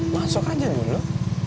masuk aja dulu